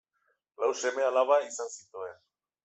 Lau seme alaba izan zituen.